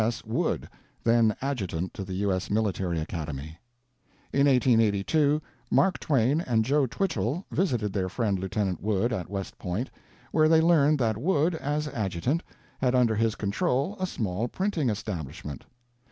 S. Wood, then adjutant of the U. S. Military Academy. In 1882 Mark Twain and Joe Twichell visited their friend Lieut. Wood at West Point, where they learned that Wood, as Adjutant, had under his control a small printing establishment.